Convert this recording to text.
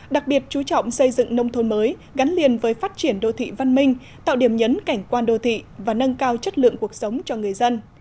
đặc biệt chú trọng xây dựng nông thôn mới gắn liền với phát triển đô thị văn minh tạo điểm nhấn cảnh quan đô thị và nâng cao chất lượng cuộc sống cho người dân